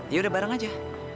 ya udah bareng aja